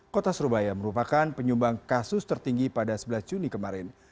kota surabaya merupakan penyumbang kasus tertinggi pada sebelas juni kemarin